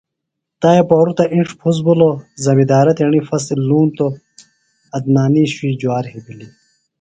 تائی پہُرتہ انڇ پُھس بِھلوۡ۔ زمندارہ تیݨی فصۡل لونۡتوۡ .عدنانی شُوِئی جُوار بِھلیۡ۔